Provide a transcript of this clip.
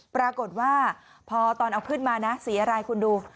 ปรากฏว่าพอตอนเอาขึ้นมานะสีอะไรคุณดู